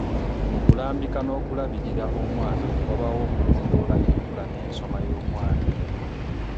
Mu kulambika n'okulabirira omwana, wabaawo okulondoola enkula n'ensoma y'omwana.